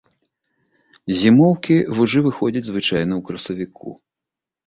З зімоўкі вужы выходзяць звычайна ў красавіку.